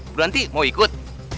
bu ranti mau ikut